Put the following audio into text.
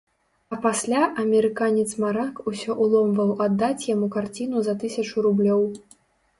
А пасля амерыканец-марак усё ўломваў аддаць яму карціну за тысячу рублёў.